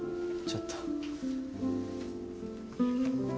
ちょっと。